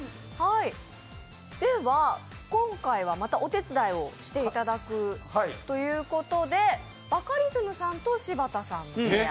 では、今回はまたお手伝いをしていただくということでバカリズムさんと柴田さんのペア。